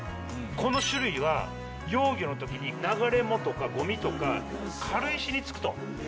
この種類は幼魚の時に流れ藻とかゴミとか軽石に付くと。